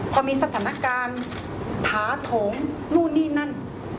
พอมีสถานการณ์ถาโถงนู่นนี่นั่น